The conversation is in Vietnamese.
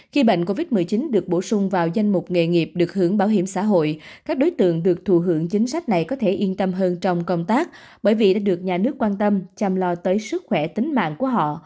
khi bệnh covid một mươi chín được bổ sung vào danh mục nghề nghiệp được hưởng bảo hiểm xã hội các đối tượng được thù hưởng chính sách này có thể yên tâm hơn trong công tác bởi vì đã được nhà nước quan tâm chăm lo tới sức khỏe tính mạng của họ